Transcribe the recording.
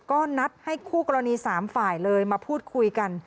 ก็นัดให้คู่กรณี๓ฝ่ายเลยมาพูดคุยกัน